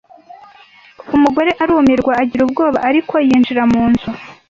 Umugore arumirwa agira ubwoba ariko yinjira mu nzu